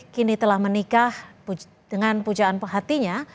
kini telah menikah dengan pujaan pehatinya